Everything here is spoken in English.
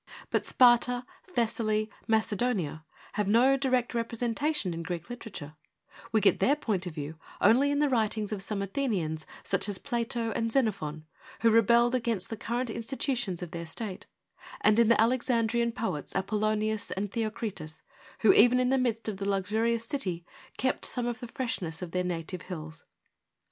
But Sparta, Thessaly, Macedonia, have no direct representation in Greek literature ; we get their point of view only in the writings of some Athenians, such as Plato and Xenophon, who rebelled against the current institutions of their state, and in the Alexandrian poets, Apollonius and Theocritus, who, even in the midst of the luxurious city, kept some of the freshness of their native hills.